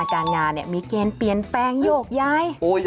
การงานมีเกณฑ์เปลี่ยนแปลงโยกย้าย